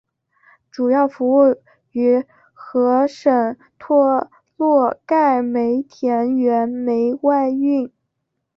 主要服务于和什托洛盖煤田原煤外运。